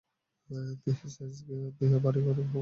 দেহিস আইজগো দিয়া বাড়িরর হগল কাম কাইজ করমু আমি মন দিয়া।